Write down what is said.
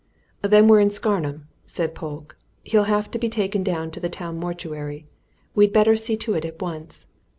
"Then we're in Scarnham," said Polke. "He'll have to be taken down to the town mortuary. We'd better see to it at once.